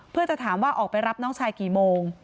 เพื่อจะถามว่าออกไปรับน้องชายกี่โมง